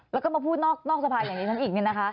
แล้วก็มาพูดนอกสภาอย่างนี้ฉันอีกเนี่ยนะคะ